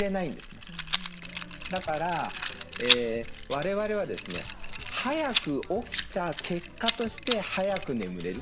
だから我々はですね早く起きた結果として早く眠れる。